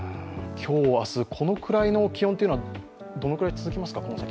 今日、明日、このくらいの気温はどのくらい続きますか？